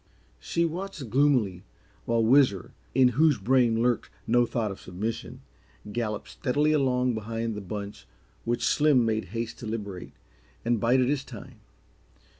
She watched gloomily while Whizzer, in whose brain lurked no thought of submission, galloped steadily along behind the bunch which Slim made haste to liberate, and bided his time.